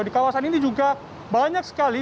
di kawasan ini juga banyak sekali